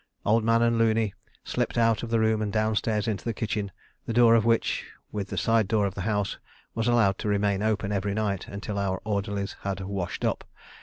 Old Man and Looney slipped out of the room and downstairs into the kitchen, the door of which, with the side door of the house, was allowed to remain open every night until our orderlies had "washed up."